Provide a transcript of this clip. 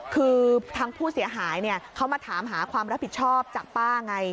คือทางผู้เสียหายเขามาถามหาความรับผิดชอบจากป้าไง